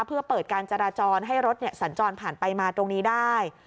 เพื่อเปิดการจราจรให้รถสัญจรผ่านไปมาตรงนี้ได้